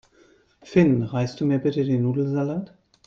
Finn, reichst du mir bitte den Nudelsalat?